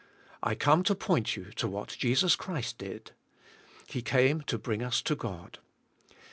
I come to point you to what Jesus Christ did. He came to bring us to God.